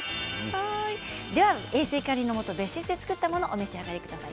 では衛生管理のもと別室で作ったものを召し上がりください。